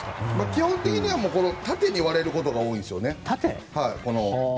基本的には縦に割れることが多いんですよね。